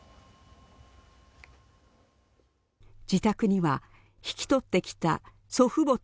自宅には引き取ってきた祖父母と両親の遺骨が